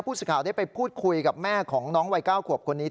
ผู้สัดข่าวได้บิไปพูดคุยกับแม่ของน้องใยเก้าขวบคนนี้